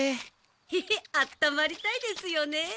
ヘヘッあったまりたいですよね。